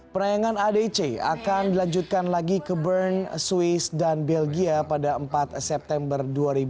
penayangan aadc akan dilanjutkan lagi ke bern swiss dan belgia pada empat september dua ribu enam belas